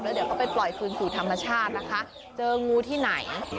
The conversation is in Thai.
เดี๋ยวก็ไปปล่อยคืนสู่ธรรมชาตินะคะเจองูที่ไหน